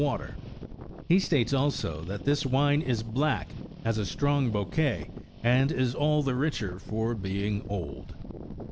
237 water : he states, also, that this wine is black,40 has a strong bouquet, and is all the richer for being old.